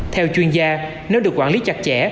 theo chuyên gia nếu được quản lý chặt chẽ